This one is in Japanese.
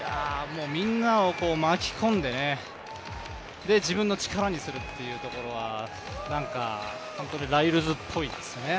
みんなを巻き込んでね、自分の力にするっていうところは何か本当にライルズっぽいですね。